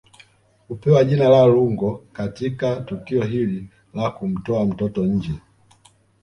Hupewa jina la Lungo Katika tukio hili la kumtoa mtoto nje